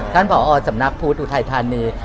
ท่านผอสำนาคพุทธอุทัยธานี